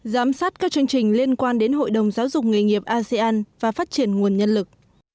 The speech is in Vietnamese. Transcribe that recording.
giám sát các chương trình liên quan đến hội đồng giáo dục nghề nghiệp asean và phát triển nguồn nhân lực